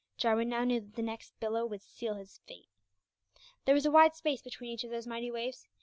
Jarwin now knew that the next billow would seal his fate. There was a wide space between each of those mighty waves.